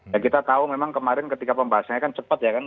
dan kita tahu memang kemarin ketika pembahasannya kan cepat ya kan